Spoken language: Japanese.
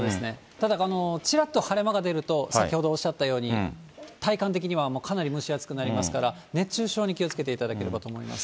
ただ、ちらっと晴れ間が出ると、先ほどおっしゃったように、体感的にはもうかなり蒸し暑くなりますから、熱中症に気をつけていただければと思います。